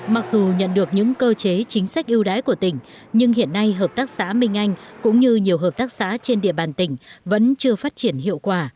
mặc dù nhận được những cơ chế chính sách ưu đãi của tỉnh nhưng hiện nay hợp tác xã minh anh cũng như nhiều hợp tác xã trên địa bàn tỉnh vẫn chưa phát triển hiệu quả